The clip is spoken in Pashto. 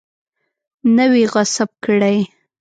نه وي غصب کړی.